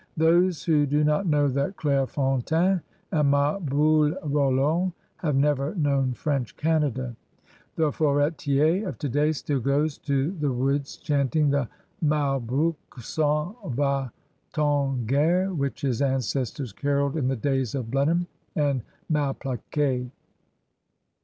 Those who do not know the Claife fonUdne and Ma boiUe rovlant have never known French Canada. The foritier of today still goes to the woods chanting the MaJbrouck s*en va t en guerre which his ancestors caroled in the days of Blenheim and Malplaquet.